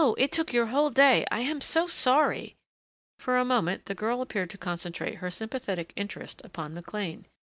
It took your whole day. I am so sorry!" For a moment the girl appeared to concentrate her sympathetic interest upon McLean.